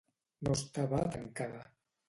No estava tancada.